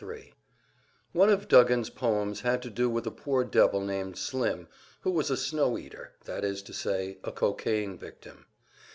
Section 33 One of Duggan's poems had to do with a poor devil named Slim, who was a "snow eater," that is to say, a cocaine victim.